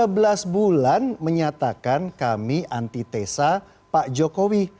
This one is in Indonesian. sebelas bulan menyatakan kami anti tesa pak jokowi